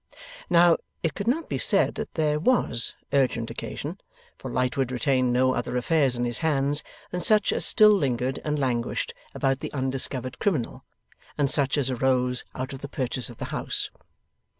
Now, it could not be said that there WAS urgent occasion, for Lightwood retained no other affairs in his hands than such as still lingered and languished about the undiscovered criminal, and such as arose out of the purchase of the house.